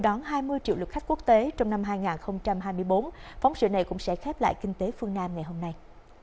đón hai mươi triệu lượt khách quốc tế trong năm hai nghìn hai mươi bốn phóng sự này cũng sẽ khép lại kinh tế phương nam ngày hôm nay